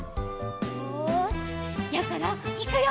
よしやころいくよ！